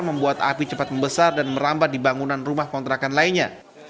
membuat api cepat membesar dan merambat di bangunan rumah kontrakan lainnya